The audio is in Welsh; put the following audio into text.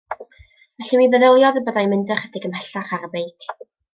Felly mi feddyliodd y byddai'n mynd ychydig ymhellach ar y beic.